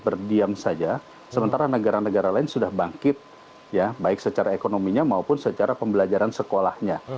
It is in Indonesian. berdiam saja sementara negara negara lain sudah bangkit ya baik secara ekonominya maupun secara pembelajaran sekolahnya